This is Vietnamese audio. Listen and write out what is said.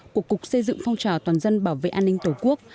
của cục xây dựng phong trào toàn dân bảo vệ an ninh tổ quốc